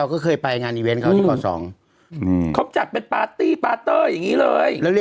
อะไรนี่